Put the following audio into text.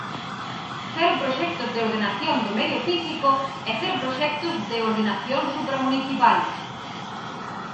¡Cero proxectos de ordenación do medio físico e cero proxectos de ordenación supramunicipal!